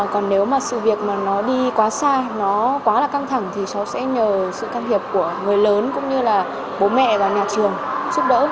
còn nếu mà sự việc mà nó đi quá xa nó quá là căng thẳng thì cháu sẽ nhờ sự can thiệp của người lớn cũng như là bố mẹ và nhà trường giúp đỡ